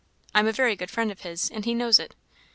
I'm a very good friend of his, and he knows it."